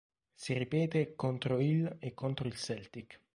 Si ripete contro il e contro il Celtic.